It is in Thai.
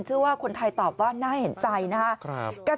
เชื่อว่าคนไทยตอบว่าน่าเห็นใจนะครับ